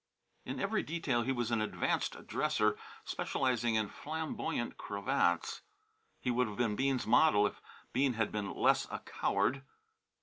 In every detail he was an advanced dresser, specializing in flamboyant cravats. He would have been Bean's model if Bean had been less a coward.